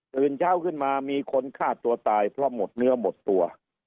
ตื่นเช้าขึ้นมามีคนฆ่าตัวตายเพราะหมดเนื้อหมดตัว